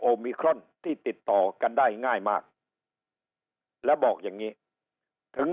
มิครอนที่ติดต่อกันได้ง่ายมากแล้วบอกอย่างนี้ถึง